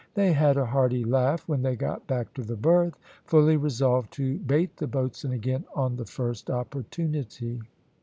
They had a hearty laugh when they got back to the berth, fully resolved to bait the boatswain again on the first opportunity.